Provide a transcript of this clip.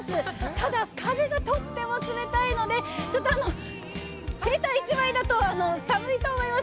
ただ、風がとっても冷たいのでちょっとセーター１枚だと寒いと思います。